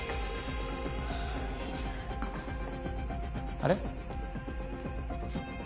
あれ？